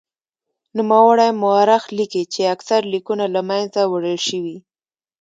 نوموړی مورخ لیکي چې اکثر لیکونه له منځه وړل شوي.